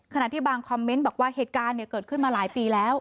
ที่บางคอมเมนต์บอกว่าเหตุการณ์เกิดขึ้นมาหลายปีแล้ว